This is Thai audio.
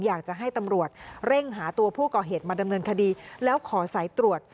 อยากจะให้ตำรวจเร่งหาตัวผู้ก่อเหตุมาดำเนินคดีแล้วขอสายตรวจ